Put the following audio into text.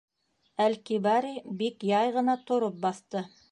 Әл-Кибари бик яй ғына тороп баҫты.